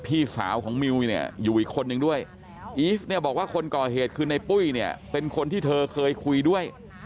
อีฟเนี่ยบอกว่าคนก่อเหตุคือในปุ้ยเนี่ยเป็นคนที่เธอเคยคุยด้วย